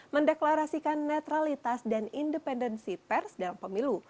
mendeklarasikan netralitas dan independensi pers dalam pemilu